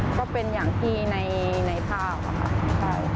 ก็เป็นอย่างที่ในภาพอะค่ะ